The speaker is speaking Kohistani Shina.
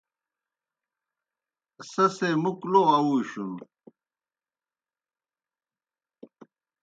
سی سے مُکھ لو اَوُوشُن۔